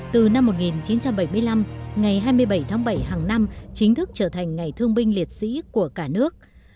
từ năm một nghìn chín trăm bảy mươi năm ngày hai mươi bảy tháng bảy hàng năm chính thức trở thành ngày thương binh liệt sĩ của cả nước